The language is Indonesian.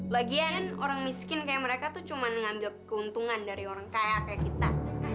lagian kan orang miskin kayak mereka tuh cuma ngambil keuntungan dari orang kaya kayak kita